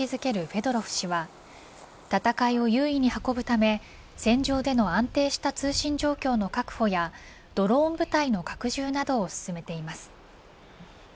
フェドロフ氏は戦いを有利に運ぶため戦場での安定した通信状況の確保やドローン部隊の拡充などを進めています。